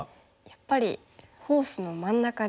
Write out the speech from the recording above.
やっぱりフォースの真ん中に。